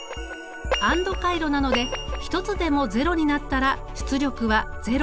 ＡＮＤ回路なので１つでも０になったら出力は０。